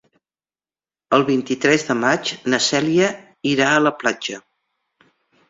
El vint-i-tres de maig na Cèlia irà a la platja.